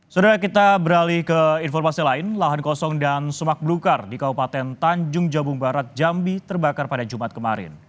sudah kita beralih ke informasi lain lahan kosong dan semak belukar di kabupaten tanjung jabung barat jambi terbakar pada jumat kemarin